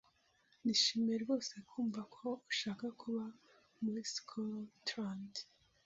Nishimiye rwose kumva ko ushaka kuba muri Scotland.